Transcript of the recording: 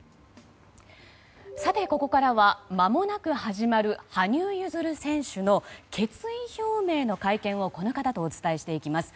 ここからはまもなく始まる羽生結弦選手の決意表明の会見をこの方とお伝えしていきます。